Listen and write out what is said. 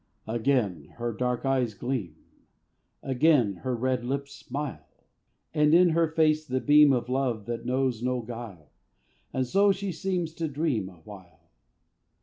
Again her dark eyes gleam; Again her red lips smile; And in her face the beam Of love that knows no guile; And so she seems to dream A while.